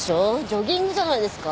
ジョギングじゃないですか。